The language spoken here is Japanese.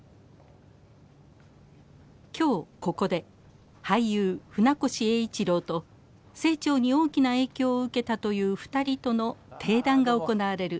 今日ここで俳優船越英一郎と清張に大きな影響を受けたという２人とのてい談が行われる。